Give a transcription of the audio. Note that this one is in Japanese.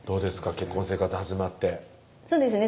結婚生活始まってそうですね